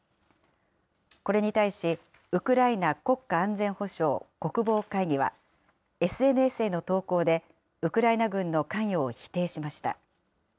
これに対し、ウクライナ国家安全保障・国防会議は、ＳＮＳへの投稿で、ウクライナ軍の関与を否定しました。